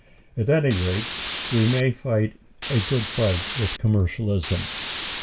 At any rate we may fight a good fight with commercialism.